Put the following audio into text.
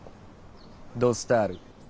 「ド・スタール」。